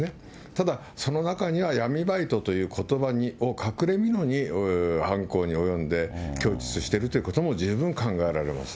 ただ、その中には闇バイトということばを隠れみのに犯行に及んで、供述しているということも十分考えられます。